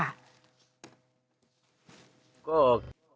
ตำรวจนะนะเพราะว่าข่าวบอกว่ามีตำรวจชั้นผู้ใหญ่ในพื้นที่ช่วยอยู่ด้วย